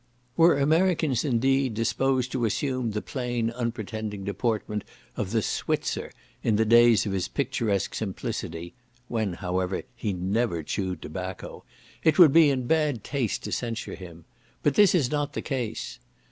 Were Americans, indeed, disposed to assume the plain unpretending deportment of the Switzer in the days of his picturesque simplicity, (when, however, he never chewed tobacco), it would be in bad taste to censure him; but this is not the case.